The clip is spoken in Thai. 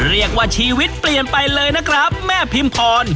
เรียกว่าชีวิตเปลี่ยนไปเลยนะครับแม่พิมพร